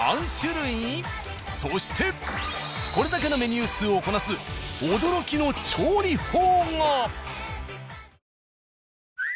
そしてこれだけのメニュー数をこなす驚きの調理法が！